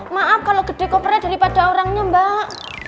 maaf kalau gede kopernya daripada orangnya mbak